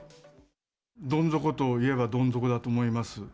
どん底といえばどん底だと思います。